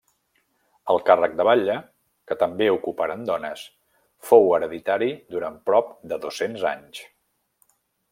El càrrec de batlle, que també ocuparen dones, fou hereditari durant prop de dos-cents anys.